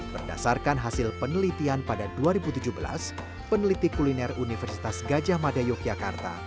berdasarkan hasil penelitian pada dua ribu tujuh belas peneliti kuliner universitas gajah mada yogyakarta